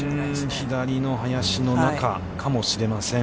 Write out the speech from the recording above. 左の林の中かも知れません。